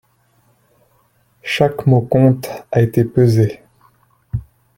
Chaque mot compte a été pesé.